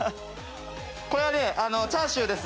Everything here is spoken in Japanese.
これはねチャーシューです。